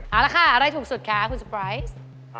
เอาละค่ะอะไรถูกสุดคะคุณสปาย